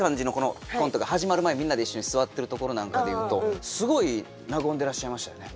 コントが始まる前みんなで一緒に座ってるところなんかで言うとすごい和んでらっしゃいましたよね。